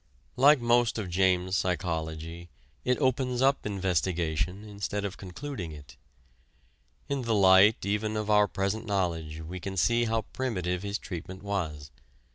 Like most of James's psychology, it opens up investigation instead of concluding it. In the light even of our present knowledge we can see how primitive his treatment was.